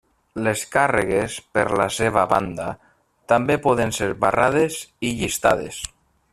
Les càrregues, per la seva banda, també poden ser barrades i llistades.